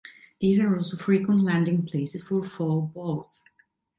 These are also frequent landing places for foul balls.